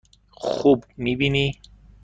خوب می بینی؟